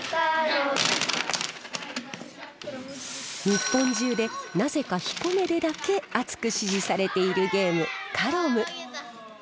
日本中でなぜか彦根でだけあつく支持されているゲームカロム。